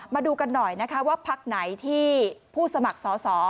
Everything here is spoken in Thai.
มาดูกันหน่อยว่าพรรคไหนที่ผู้สมัครสอ